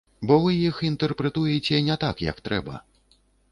Бо вы іх інтэрпрэтуеце не так, як трэба.